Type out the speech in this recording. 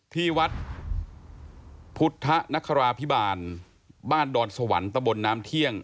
ที่วัดพุทธนคราพิบาลบ้านดอนสวรรค์ตะบนน้ำเที่ยง